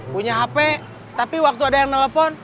punya hp tapi waktu ada yang nelpon